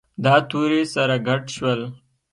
دا توري سره ګډ شول.